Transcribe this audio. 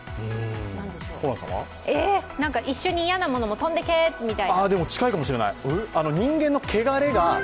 一緒に嫌なものも飛んでけ！みたいな。